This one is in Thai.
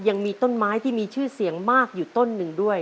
ยังมีต้นไม้ที่มีชื่อเสียงมากอยู่ต้นหนึ่งด้วย